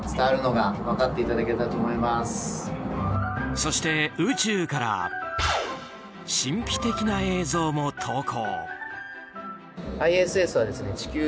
そして、宇宙から神秘的な映像も投稿。